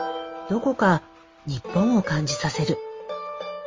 どこか日本を感じさせる。